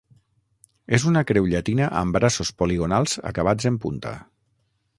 És una creu llatina amb braços poligonals acabats en punta.